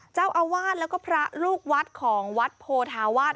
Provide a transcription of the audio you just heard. เจ้าอาวาสแล้วก็พระลูกวัดของวัดโพธาวาส